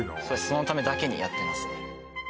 そのためだけにやってます